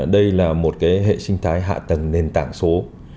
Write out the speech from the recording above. đây là một hệ sinh thái hạ tầng nền tảng số